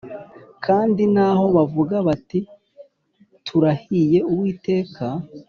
Kandi naho bavuga bati Turahiye Uwiteka